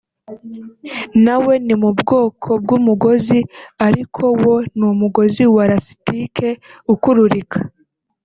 nawo ni mu bwoko bw’umugozi ariko wo ni umugozi wa lasitike ukururika